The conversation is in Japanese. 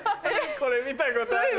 これ見たことある。